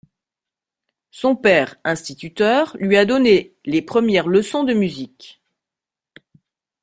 Son père, instituteur, lui a donné les premières leçons de musique.